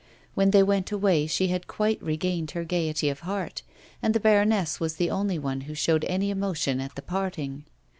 AYhen they went away she had quite regained her gaiety of heart, and the baroness was the only one who showed any emotion at the parting.